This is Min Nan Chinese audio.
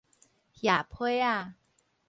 瓦杮仔